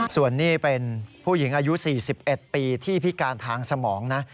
ส่วนนี้เป็นผู้หญิงอายุ๔๑ปีที่พิการทางสมองนะ